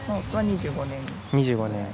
２５年。